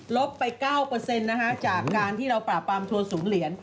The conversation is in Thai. ลบไป๙จากการที่เราปราบความโทษสูงเหรียญ